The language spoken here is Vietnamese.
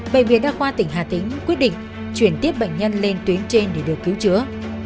bệnh viện đa khoa tỉnh hà tĩnh quyết định chuyển tiếp bệnh nhân lên tuyến trên để được cứu chữa